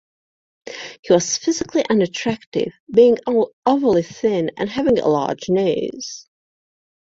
He was physically unattractive, being overly thin and having a large nose.